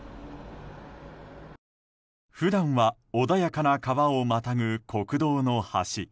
普段は穏やかな川をまたぐ国道の橋。